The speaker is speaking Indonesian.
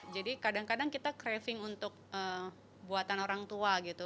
jadi kadang kadang kita craving untuk buatan orang tua gitu